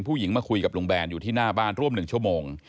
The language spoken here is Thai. ผู้หญิงมาคุยกับลุงแบนอยู่ที่หน้าบ้านร่วม๑ชั่วโมง